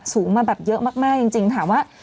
สูงมาแบบเยอะมากจริงถามว่า